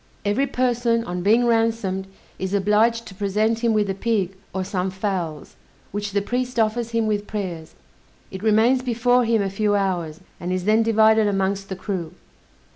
Every person on being ransomed, is obliged to present him with a pig, or some fowls, which the priest offers him with prayers; it remains before him a few hours, and is then divided amongst the crew.